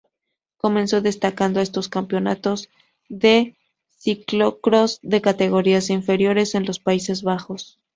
Comenzó destacando en los campeonatos de ciclocrós de categorías inferiores en los Países Bajos.